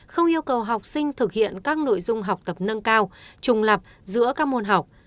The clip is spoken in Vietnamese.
không yêu cầu học sinh thực hiện các nội dung học tập nâng cao trùng lập giữa các môn học